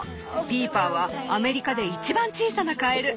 ピーパーはアメリカで一番小さなカエル。